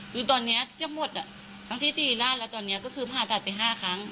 คือตอนนี้ทั้งหมดครั้งที่๔ราชแล้วตอนนี้ก็คือผ่าตัดไป๕ครั้ง